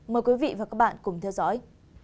mời quý vị và các bạn cùng theo dõi